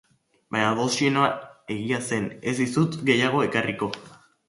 Baina dosiena egia zen, ez dizut gehiago ekarriko.